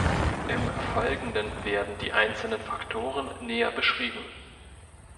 Im Folgenden werden die einzelnen Faktoren näher beschrieben.